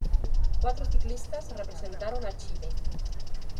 Cuatro ciclistas representaron a Chile.